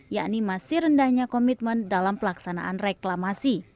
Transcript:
yakni masih rendahnya komitmen dalam pelaksanaan reklamasi